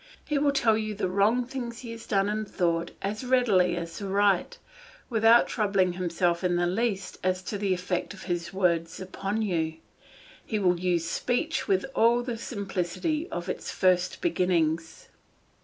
He will tell you the wrong things he has done and thought as readily as the right, without troubling himself in the least as to the effect of his words upon you; he will use speech with all the simplicity of its first beginnings.